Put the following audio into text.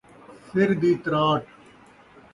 سر دی تراٹ